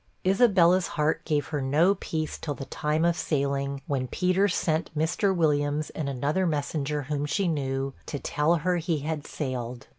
Isabella's heart gave her no peace till the time of sailing, when Peter sent Mr. Williams and another messenger whom she knew, to tell her he had sailed.